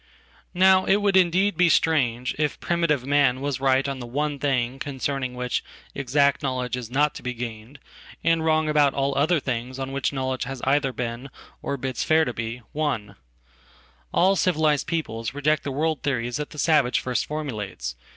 Now it would indeed be strange if primitive man was right onthe one thing concerning which exact knowledge is not to be gained, and wrong about all other things on which knowledge has eitherbeen, or bids fair to be, won. All civilized peoples reject theworld theories that the savage first formulates.